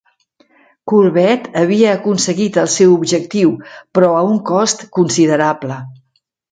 Courbet havia aconseguit el seu objectiu, però a un cost considerable.